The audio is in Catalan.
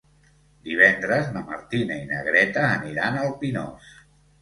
Divendres na Martina i na Greta aniran al Pinós.